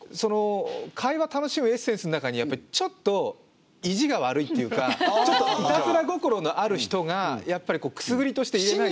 会話楽しむエッセンスの中にやっぱりちょっと意地が悪いっていうかちょっといたずら心のある人がやっぱりくすぐりとして入れないと。